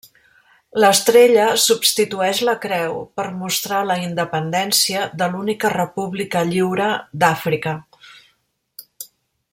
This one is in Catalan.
L'estrella substitueix la creu per mostrar la independència de l'única república lliure d'Àfrica.